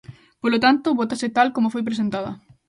Polo tanto, vótase tal como foi presentada.